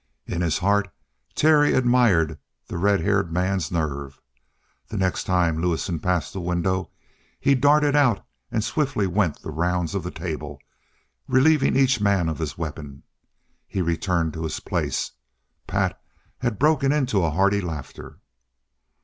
In his heart Terry admired that red haired man's nerve. The next time Lewison passed the window, he darted out and swiftly went the rounds of the table, relieving each man of his weapon. He returned to his place. Pat had broken into hearty laughter.